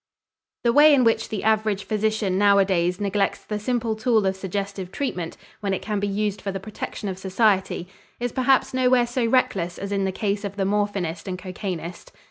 The way in which the average physician nowadays neglects the simple tool of suggestive treatment, when it can be used for the protection of society, is perhaps nowhere so reckless as in the case of the morphinist and cocainist.